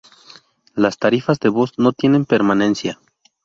Las tarifas de voz no tienen permanencia.